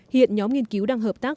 hiện nhóm nghiên cứu đang hợp tác